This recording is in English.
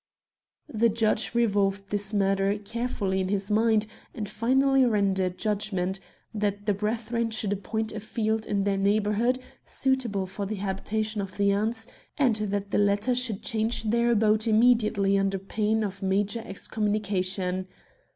"The judge revolved the matter carefully in his mind, and finally rendered judgment, that the Brethren should appoint a field in their neighbour hood, suitable for the habitation of the Ants, and 72 Queer Culprits that the latter should change their abode immediately under pain of major excommunication.